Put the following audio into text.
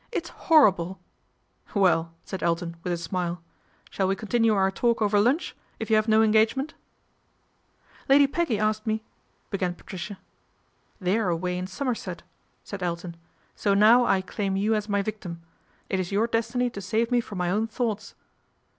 " It's horrible !"" Well !" said Elton with a smile, " shall we continue our talk over lunch, if you have no engagement ?"' Lady Peggy asked me " began Patricia. ' They're away in Somerset," said Elton, " so now I claim you as my victim. It is your destiny to save me from my own thoughts."